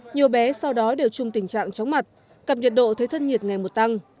nhiều bé sau đó đều chung tình trạng chóng mặt cặp nhiệt độ thấy thân nhiệt ngày một tăng